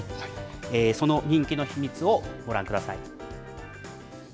その人気の秘密をご覧ください。